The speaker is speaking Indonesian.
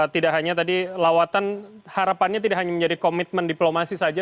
tidak hanya tadi lawatan harapannya tidak hanya menjadi komitmen diplomasi saja